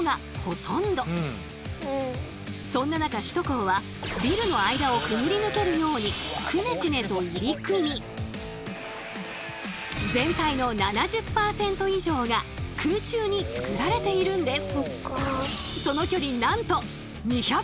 そんな中首都高はビルの間をくぐり抜けるようにクネクネと入り組み全体の７０％以上が空中に造られているんです。